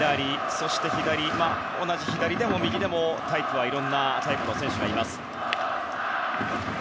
そして同じ左でも右でも、いろいろなタイプの選手がいます。